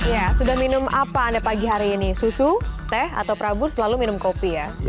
ya sudah minum apa anda pagi hari ini susu teh atau prabu selalu minum kopi ya